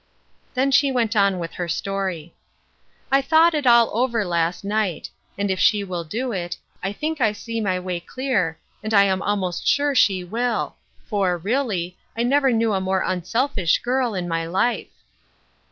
Then she went on with her story. "I thought it all over last night, and if she \iill do it, I think I see my way clear, and I am almost sure she will, for, really, I never knew a more unselfish girl in my life."